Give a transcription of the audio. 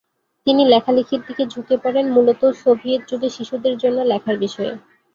তিনি লেখালেখির দিকে ঝুঁকে পরেন, মূলত সোভিয়েত যুগে শিশুদের জন্য লেখার বিষয়ে।